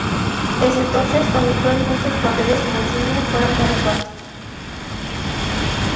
Desde entonces, habitualmente sus papeles en el cine fueron de reparto.